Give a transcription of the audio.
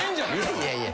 いやいや。